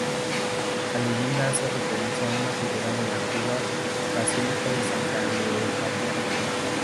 La leyenda hace referencia a una figura de la antigua basílica de Santa Leocadia.